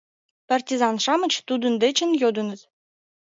— партизан-шамыч тудын дечын йодыныт.